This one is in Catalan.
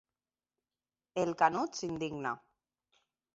El Canut s'indigna.